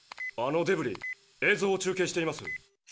あのデブリ映像を中継しています。